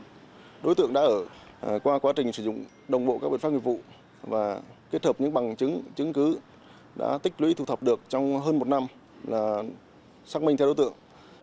công an thành phố cam ranh đã khẩn trương tổ chức lực lượng truy bắt đối tượng đối tượng đã ở qua quá trình sử dụng đồng bộ các biện pháp nghiệp vụ và kết hợp những bằng chứng chứng cứ đã tích lũy thu thập được trong hơn một năm là xác minh theo đối tượng